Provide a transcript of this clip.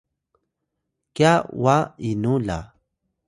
kya wa inu la?